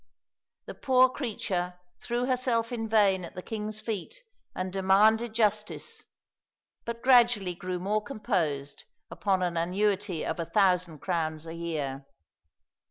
The poor creature threw herself in vain at the king's feet and demanded justice, but gradually grew more composed upon an annuity of a thousand crowns a year.